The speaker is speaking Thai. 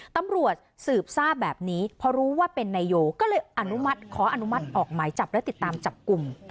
ตำรวจสืบทราบแบบนี้เพราะรู้ว่าเป็นนายโยก็เลยอนุมัติขออนุมัติออกหมายจับและติดตามจับกลุ่ม